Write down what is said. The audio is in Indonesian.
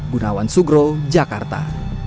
gunawan sugro jakarta